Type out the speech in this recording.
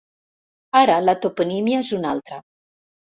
Ara la toponímia és una altra.